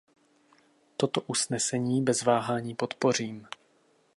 Toto usnesení bez váhání podpořím.